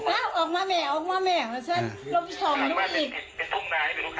อ้าวออกมาแม่ออกมาแม่หลบส่องด้วยอีก